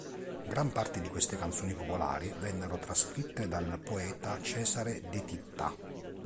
Gran parte di queste canzoni popolari vennero trascritte dal poeta Cesare De Titta.